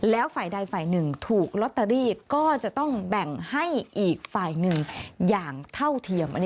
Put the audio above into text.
แล้วฝ่ายใดฝ่ายหนึ่งถูกลอตเตอรี่ก็จะต้องแบ่งให้อีกฝ่ายหนึ่งอย่างเท่าเทียม